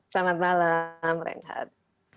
selamat malam reinhard